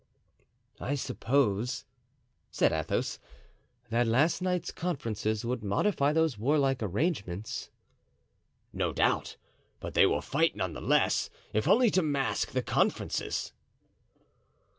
"I supposed," said Athos, "that last night's conferences would modify those warlike arrangements." "No doubt; but they will fight, none the less, if only to mask the conferences."